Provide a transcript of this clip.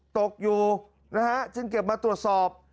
ตกอยู่นะฮะจึงเก็บมาตรวจสอบ